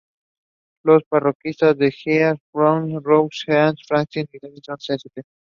Both "Destination Mecca" and "Oriental Magic" contain sections on the subject of Sufism.